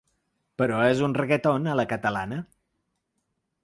Però és un reggaeton a la catalana.